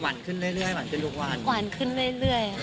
หวานขึ้นเรื่อยหวานขึ้นเรื่อยหวานขึ้นเรื่อย